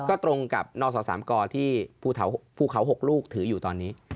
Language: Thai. ก็ตรงกับนศ๓กที่ภูเขา๖ลูกถืออยู่ตอนนี้